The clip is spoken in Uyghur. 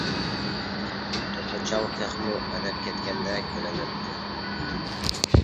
توپا چاڭ تېخىمۇ ئەدەپ كەتكەندەك بىلىنەتتى.